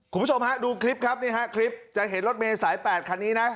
คุณผู้ชมฮะดูคลิปครับนี่ฮะคลิปจะเห็นรถเมย์สาย๘คันนี้นะ